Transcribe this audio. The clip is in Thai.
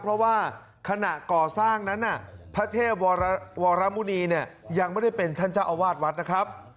เพราะว่าขณะก่อสร้างนั้นพระเทพวรมุณีเนี่ยยังไม่ได้เป็นท่านเจ้าอาวาสวัดนะครับ